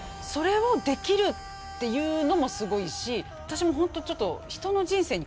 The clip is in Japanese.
それをできるっていうのもすごいし私もホントちょっと。